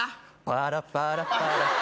「パラパラパラパ」